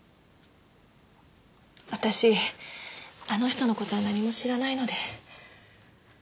私あの人の事は何も知らないので。